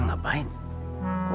sampai dia asko